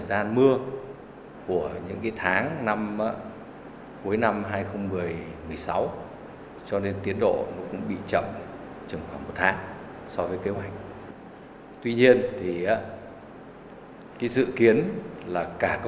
đặc biệt là